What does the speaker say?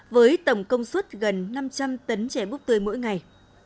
với tổng công suất gần năm trăm linh tấn trẻ búp tươi mỗi ngày